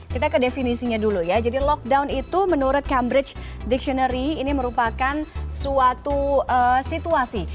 kita ke definisinya dulu ya jadi lockdown itu menurut cambridge dictionary ini merupakan suatu situasi